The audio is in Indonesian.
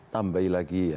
tambah lagi ya